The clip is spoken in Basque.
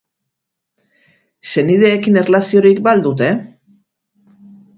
Senideekin erlaziorik ba al dute?